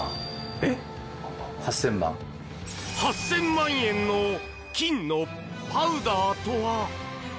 ８０００万円の金のパウダーとは？